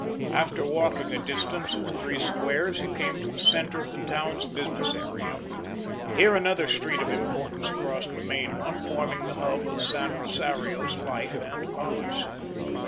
After walking a distance of three squares he came to the centre of the town's business area. Here another street of importance crossed the main one, forming the hub of San Rosario's life and commerce.